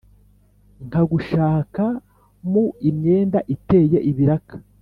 Nkagushaka mu imyenda iteye ibiraka